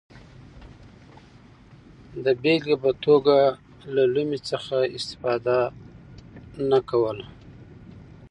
د بېلګې په توګه له لومې څخه استفاده نه کوله.